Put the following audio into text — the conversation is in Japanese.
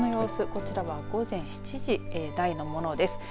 こちらは午前７時台のものです。